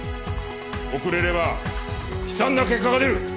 遅れれば悲惨な結果が出る！